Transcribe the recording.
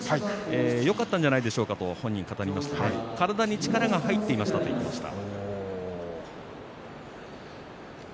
よかったんじゃないでしょうかと話しかけましたら体に力が入ったという話をしていました。